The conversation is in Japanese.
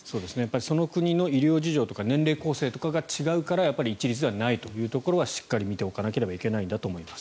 その国の医療事情とか年齢構成が違うから一律ではないというところはしっかり見ておかなければいけないんだと思います。